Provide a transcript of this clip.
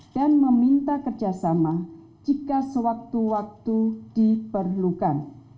meminta kerjasama jika sewaktu waktu diperlukan